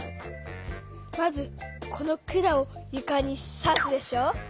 まずこの管をゆかにさすでしょ。